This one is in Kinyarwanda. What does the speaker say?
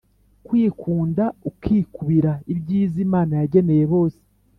kwikunda ukikubira ibyiza imana yageneye bose.